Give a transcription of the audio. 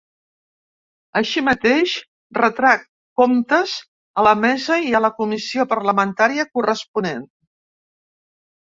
Així mateix, retrà comptes a la mesa i a la comissió parlamentària corresponent.